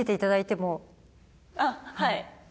あっはい。